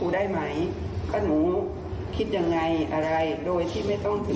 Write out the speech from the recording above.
ดูครับ